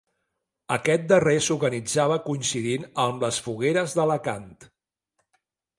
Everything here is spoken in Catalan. Aquest darrer s'organitzava coincidint amb les Fogueres d'Alacant.